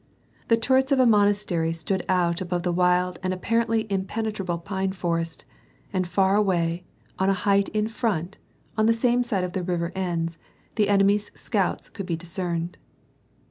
The turrets of a monastery stood out above the wild and apparently im penetrable pine forest, and far away, on a height in front, on the same side of the river Enns, the enemy's scouts could be discerned.